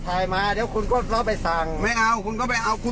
พาเลยครับไม่มีปัญหาครับ